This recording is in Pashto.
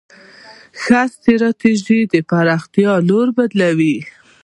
ښه ستراتیژي د پراختیا لوری بدلوي.